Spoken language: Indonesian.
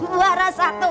nyanyi juara satu